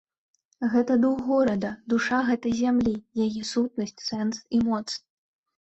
Гэта дух горада, душа гэтай зямлі, яе сутнасць, сэнс і моц.